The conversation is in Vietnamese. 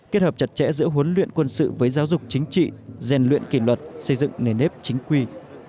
kết hợp chặt chẽ giữa huấn luyện quân sự với giáo dục chính trị rèn luyện kỷ luật xây dựng nền nếp chính quy